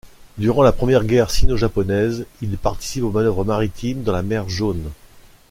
Durant la première guerre sino-japonaise, il participe aux manœuvres maritimes dans la mer Jaune.